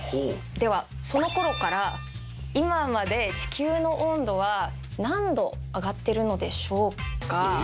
ではそのころから今まで地球の温度は何度上がってるのでしょうか？